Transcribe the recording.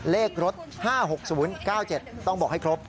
เลขรถ๕๖๐๙๗ต้องบอกให้ครบ